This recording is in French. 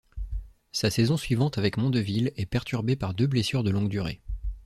Sa saison suivante avec Mondeville est perturbée par deux blessures de longue durée.